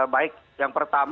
baik yang pertama